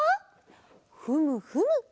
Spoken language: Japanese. ふむふむ。